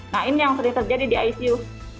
nah ini yang sering terjadi di icu